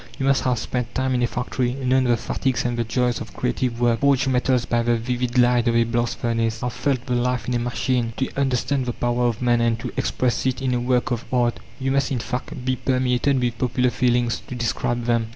You must have spent time in a factory, known the fatigues and the joys of creative work, forged metals by the vivid light of a blast furnace, have felt the life in a machine, to understand the power of man and to express it in a work of art. You must, in fact, be permeated with popular feelings, to describe them.